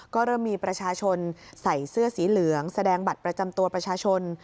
ก็เริ่มมีประชาชนใส่เสื้อสีเหลืองแสดงบัตรประจำตัวประชาชน